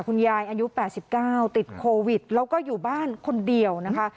อายุ๘๙ติดโควิดแล้วก็อยู่บ้านคนเดียวนะคะ